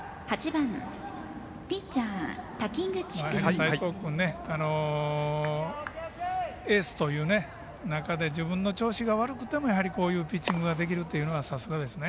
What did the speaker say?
齋藤君、エースという中で自分の調子が悪くてもこういうピッチングができるっていうのはさすがですね。